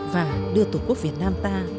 và đưa tổ quốc việt nam ta